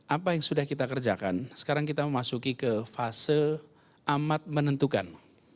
apa yang sudah kita kerjakan sekarang kita memasuki ke fase amat menentukan